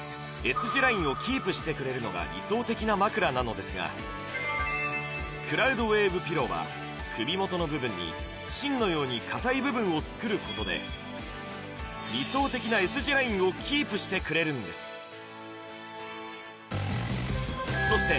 字ラインをキープしてくれるのが理想的な枕なのですがクラウドウェーブピローは首元の部分に芯のように硬い部分を作ることでしてくれるんですそして